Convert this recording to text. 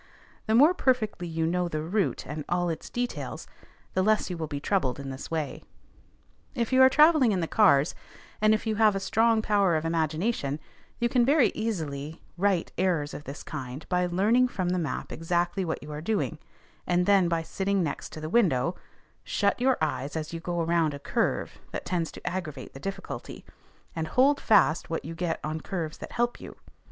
The more perfectly you know the route and all its details, the less you will be troubled in this way. If you are travelling in the cars, and if you have a strong power of imagination, you can very easily right errors of this kind by learning from the map exactly what you are doing, and then by sitting next to the window, shut your eyes as you go around a curve that tends to aggravate the difficulty, and hold fast what you get on curves that help you.